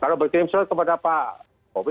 kalau berkirim surat kepada pak